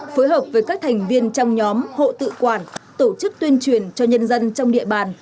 phối hợp với các thành viên trong nhóm hộ tự quản tổ chức tuyên truyền cho nhân dân trong địa bàn